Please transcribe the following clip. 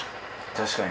確かに。